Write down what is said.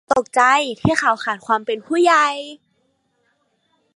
ฉันตกใจที่เขาขาดความเป็นผู้ใหญ่